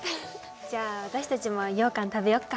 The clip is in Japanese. じゃあ私たちもようかん食べよっか？